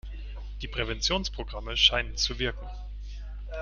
Die Präventionsprogramme scheinen zu wirken.